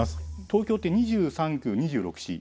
東京って２３区２６市